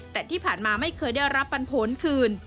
แต่ที่ผ่านมาไม่เคยได้รับปันผลคืน